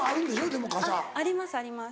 でも傘。ありますあります。